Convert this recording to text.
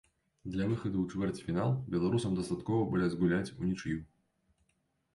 Для выхаду ў чвэрцьфінал беларусам дастаткова было згуляць унічыю.